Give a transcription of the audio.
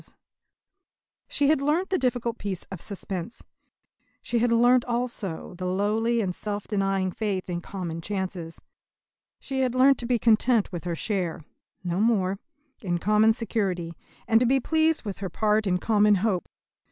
She had learnt the difficult peace of suspense. She had learnt also the lowly and self denying faith in common chances. She had learnt to be content with her share no more in common security, and to be pleased with her part in common hope.